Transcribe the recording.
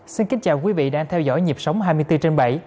xin kính chào quý vị đang theo dõi nhịp sống hai mươi bốn trên bảy